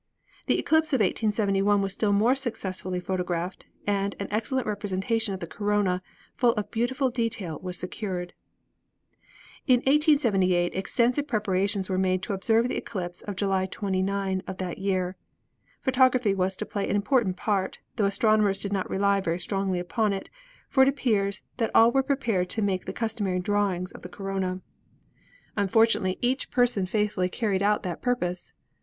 The eclipse of 1871 was still more successfully photographed, and an excellent representation of the corona, full of beautiful' detail, was secured." "In 1878 extensive preparations were made to observe the eclipse of July 29 of that year. Photography was to play an important part, though astronomers did not rely very strongly upon it; for it appears that all were prepared to make the customary drawings of the corona. Unfortu 42 ASTRONOMY nately each person faithfully carried out that purpose.